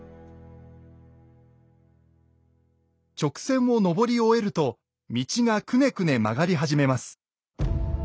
直線をのぼり終えると道がくねくね曲がり始めます。